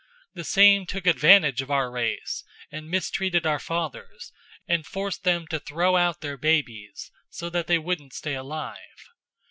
007:019 The same took advantage of our race, and mistreated our fathers, and forced them to throw out their babies, so that they wouldn't stay alive.